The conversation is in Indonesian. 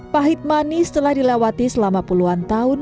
pahit manis telah dilewati selama puluhan tahun